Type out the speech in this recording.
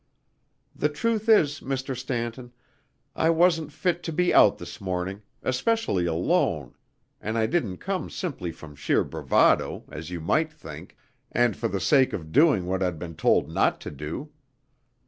The truth is, Mr. Stanton, I wasn't fit to be out this morning, especially alone, and I didn't come simply from sheer bravado, as you might think, and for the sake of doing what I'd been told not to do.